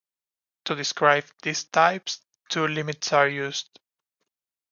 To describe these types two limits are used.